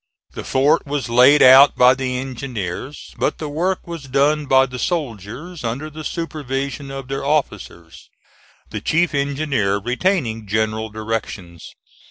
The fort was laid out by the engineers, but the work was done by the soldiers under the supervision of their officers, the chief engineer retaining general directions.